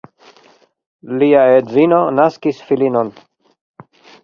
Li edzino naskis filinon.